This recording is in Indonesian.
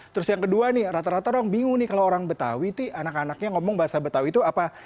terus yang kedua nih rata rata orang bingung nih kalau orang betawi anak anaknya ngomong bahasa betawi itu apa